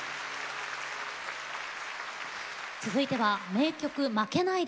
続いては名曲「負けないで」